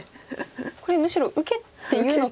これむしろ受けっていうのか。